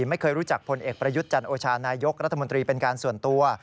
ไม่เคยรู้จักพลเอกประยุทธ์จันโอชานายกรัฐมนตรีเป็นการส่วนตัว